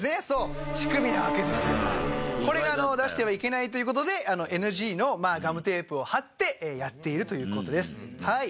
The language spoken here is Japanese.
そう乳首なわけですよ。これが出してはいけないという事でＮＧのガムテープを貼ってやっているという事です。